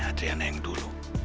adriana yang dulu